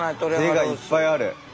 手がいっぱいある。